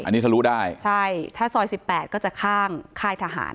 อันนี้ทะลุได้ใช่ทะลุ๑๘ก็จะข้างค่ายทหาร